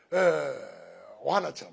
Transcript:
「お花ちゃん」